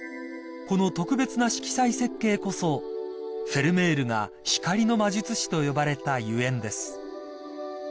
［この特別な色彩設計こそフェルメールが光の魔術師と呼ばれたゆえんです］